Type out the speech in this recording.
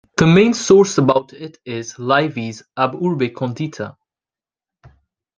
The main source about it is Livy's "Ab Urbe Condita".